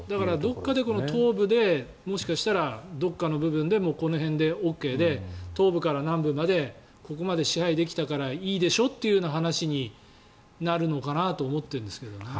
だから、東部でどこかの部分でこの辺でＯＫで東部から南部までここまで支配できたからいいでしょっていう話になるのかなと思っているんですけどね。